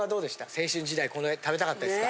青春時代これ食べたかったですか？